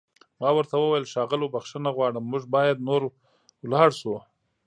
ما ورته وویل: ښاغلو، بښنه غواړم موږ باید نور ولاړ شو.